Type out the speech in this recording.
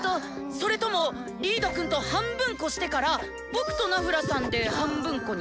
それともリードくんと半分こしてから僕とナフラさんで半分こに？